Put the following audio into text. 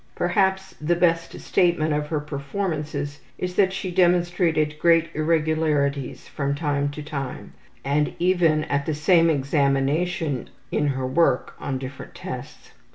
Perhaps the best statement of her performances is that she demonstrated great irregularities from time to time, and even at the same examination in her work on different tests.